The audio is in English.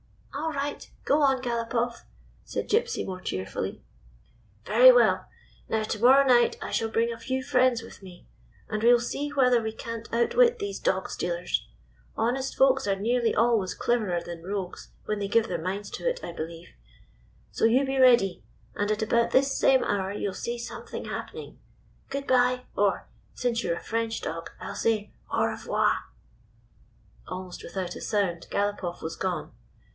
"All right. Go on, Galopoff," said Gypsy, more cheerfully. "Very well. Now, to morrow night I shall bring a few friends with me, and we will see whether we can't outwit these dog stealers. Honest folks are nearly always cleverer than 194 A TALK AT MIDNIGHT rogues when they give their minds to it, I be lieve. So you be ready, and at about this same hour you 'll see something happening. Good bye, or — since you 're a French dog — I 'll say, A u revoir /" Almost without a sound Galopoff was gone.